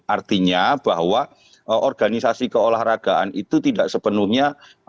artinya bahwa organisasi keolahragaan itu tidak sepenuhnya